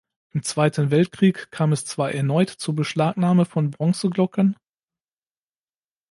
Im Zweiten Weltkrieg kam es zwar erneut zur Beschlagnahme von Bronzeglocken.